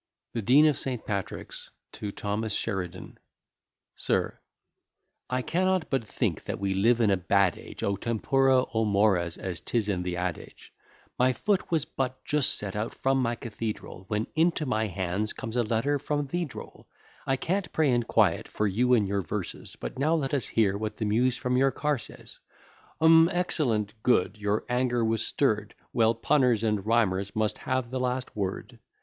THE DEAN OF ST. PATRICK'S TO THOMAS SHERIDAN SIR, I cannot but think that we live in a bad age, O tempora, O mores! as 'tis in the adage. My foot was but just set out from my cathedral, When into my hands comes a letter from the droll. I can't pray in quiet for you and your verses; But now let us hear what the Muse from your car says. Hum excellent good your anger was stirr'd; Well, punners and rhymers must have the last word.